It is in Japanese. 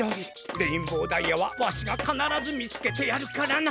レインボーダイヤはわしがかならずみつけてやるからな。